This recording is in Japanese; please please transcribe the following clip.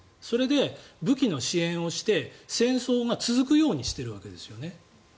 それで武器の支援をして戦争が続くようにしてるわけですよね。